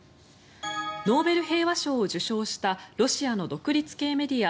ノーベル平和賞を受賞したロシアの独立系メディア